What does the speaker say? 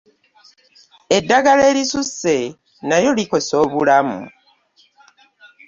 Eddagala erisusse nalyo likosa obulamu.